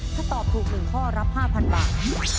ถ้าตอบถูก๑ข้อรับ๕๐๐บาท